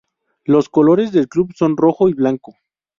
Los colores del club son rojo y blanco.